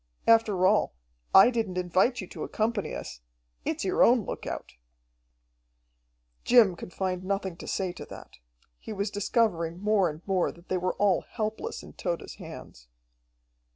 After all, I didn't invite you to accompany us. It's your own lookout." Jim could find nothing to say to that. He was discovering more and more that they were all helpless in Tode's hands.